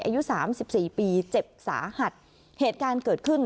อายุสามสิบสี่ปีเจ็บสาหัสเหตุการณ์เกิดขึ้น